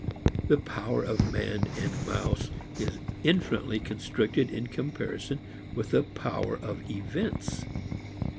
The power of man and mouse is infinitely constricted in comparison with the power of events.